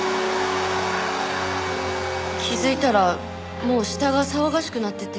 気づいたらもう下が騒がしくなってて。